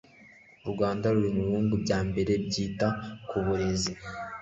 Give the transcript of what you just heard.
Urwanda ruri mu bihugu bya mbere byita ku burezi